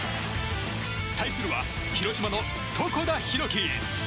対するは広島の床田寛樹。